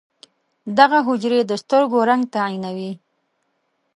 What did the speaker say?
دغه حجرې د سترګو رنګ تعیینوي.